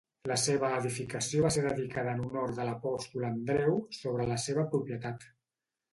La seva edificació va ser dedicada en honor de l'apòstol Andreu, sobre la seva propietat.